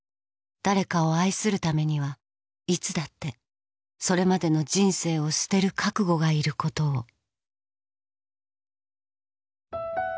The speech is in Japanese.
誰かを愛するためにはいつだってそれまでの人生を捨てる覚悟がいることを